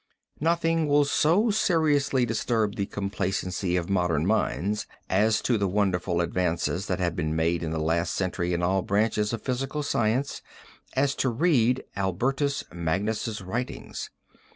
Nothing will so seriously disturb the complacency of modern minds as to the wonderful advances that have been made in the last century in all branches of physical science as to read Albertus Magnus' writings.